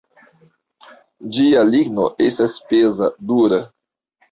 Ĝia ligno estas peza, dura.